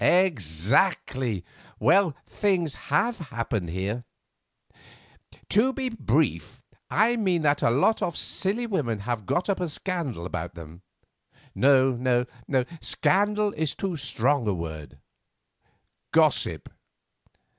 "Exactly; well, things have happened here. To be brief, I mean that a lot of silly women have got up a scandal about them—no, scandal is too strong a word—gossip."